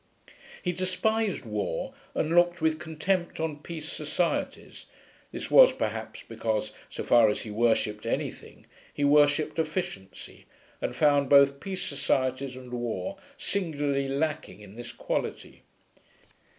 He despised war, and looked with contempt on peace societies (this was perhaps because, so far as he worshipped anything, he worshipped efficiency, and found both peace societies and war singularly lacking in this quality).